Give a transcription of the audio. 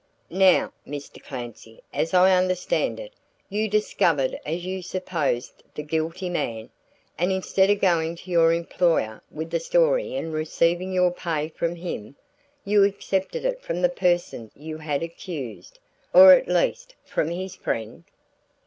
"Now, Mr. Clancy, as I understand it, you discovered as you supposed the guilty man, and instead of going to your employer with the story and receiving your pay from him, you accepted it from the person you had accused or at least from his friend?"